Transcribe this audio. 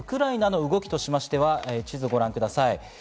ウクライナの動きとして地図をご覧ください。